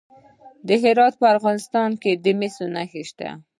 د کندهار په ارغستان کې د مسو نښې شته.